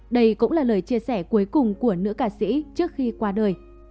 đây cũng là lời chia sẻ cuối cùng của nữ ca sĩ trước khi qua đời